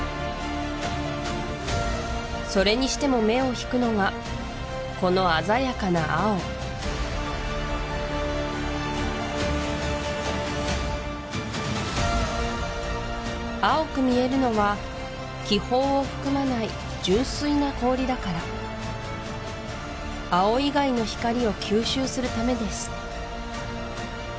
それにしても目を引くのがこの鮮やかな青青く見えるのは気泡を含まない純粋な氷だから青以外の光を吸収するためです